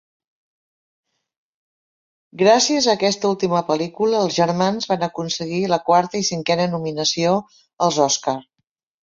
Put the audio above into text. Gràcies a aquesta última pel·lícula, els germans van aconseguir la quarta i cinquena nominació als Oscar.